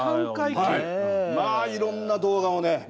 まあいろんな動画をね